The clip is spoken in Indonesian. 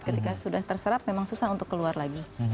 ketika sudah terserap memang susah untuk keluar lagi